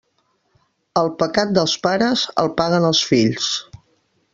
El pecat dels pares el paguen els fills.